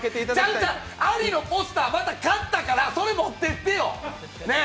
ちゃうちゃ、アリのポスターまた買ったから、それ持ってってよ、ねぇ。